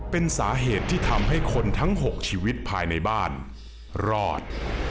เป็นสาเหตุที่ทำให้คนทั้ง๖ชีวิตภายในบ้านรอด